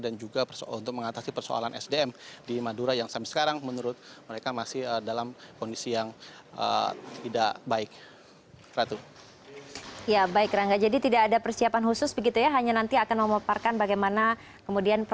juga untuk mengatasi persoalan sdm di madura yang sampai sekarang menurut mereka masih dalam kondisi yang tidak baik